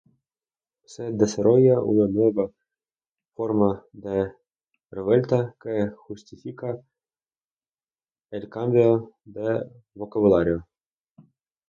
Se desarrolla una nueva forma de revuelta, que justifica el cambio de vocabulario.